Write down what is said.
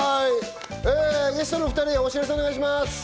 ゲストの２人、お知らせお願いします。